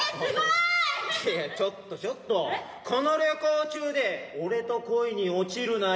いやちょっとちょっとこの旅行中で俺と恋に落ちるなよ。